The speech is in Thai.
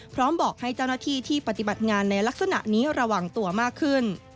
บอกให้เจ้าหน้าที่ที่ปฏิบัติงานในลักษณะนี้ระวังตัวมากขึ้น